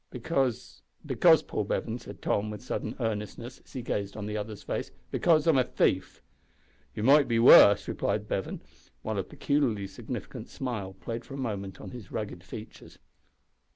"Because because, Paul Bevan," said Tom with sudden earnestness, as he gazed on the other's face, "because I'm a thief!" "You might be worse," replied Bevan, while a peculiarly significant smile played for a moment on his rugged features.